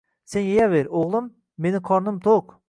– Sen yeyaver, o‘g‘lim, meni qornim to‘q, –